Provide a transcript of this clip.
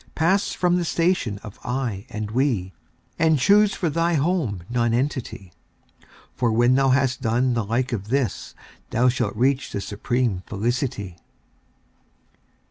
Pass from the station of "I" and "We," and choose for thy home Nonentity, For when thou has done the like of this, thou shalt reach the supreme Felicity.